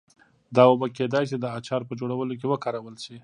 دا اوبه کېدای شي د اچار په جوړولو کې وکارول شي.